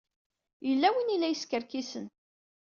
Yella win ay la yeskerkisen.